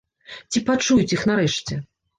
Ці пачуюць іх нарэшце?